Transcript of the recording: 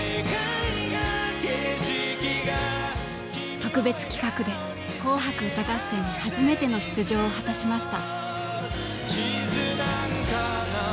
特別企画で「紅白歌合戦」に初めての出場を果たしました。